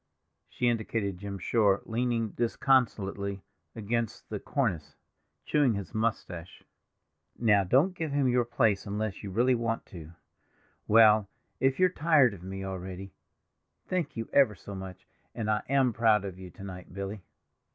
She indicated Jim Shore, leaning disconsolately against the cornice, chewing his moustache. "Now don't give him your place unless you really want to; well, if you're tired of me already—thank you ever so much, and I am proud of you to night, Billy!"